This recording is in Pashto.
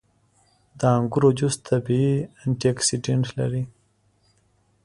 • د انګورو جوس طبیعي انټياکسیدنټ لري.